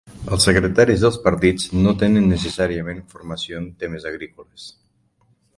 Els secretaris dels partits no tenen necessàriament formació en temes agrícoles.